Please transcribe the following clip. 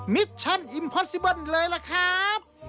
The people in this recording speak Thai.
มิชชั่นอิมพอสซิเบิ้ลเลยล่ะครับ